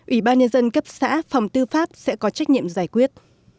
ủy ban nhân dân cấp xã phòng tư pháp sẽ có trách nhiệm giải quyết